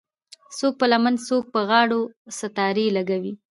څوک په لمنو څوک په غاړو ستارې لګوي